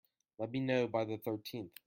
Let me know by the thirteenth.